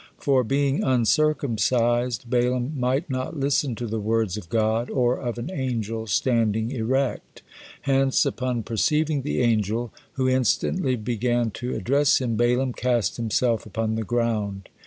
For, being uncircumcised, Balaam might not listen to the words of God or of an angel, standing erect; hence, upon perceiving the angel, who instantly began to address him, Balaam cast himself upon the ground.